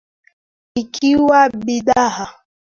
ikiwa bidhaa hizo zitakuwa gali katika soko la dunia